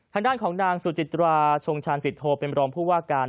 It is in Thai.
ทางด้านของนางสุจิตราชงชาญสิทโทเป็นรองผู้ว่าการ